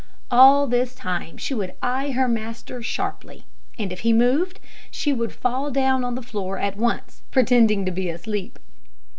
All this time she would eye her master sharply, and if he moved, she would fall down on the floor at once, and pretend to be asleep.